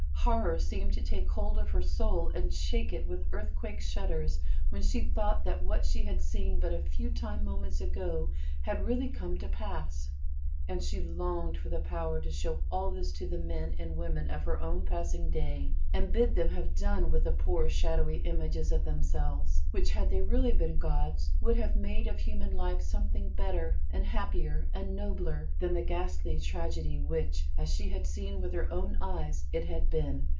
Horror seemed to take hold of her soul and shake it with earthquake shudders when she thought that what she had seen but a few time moments ago had really come to pass; and she longed for the power to show all this to the men and women of her own passing day, and bid them have done with the poor, shadowy images of themselves, which, had they really been gods, would have made of human life something better and happier and nobler than the ghastly tragedy which, as she had seen with her own eyes, it had been.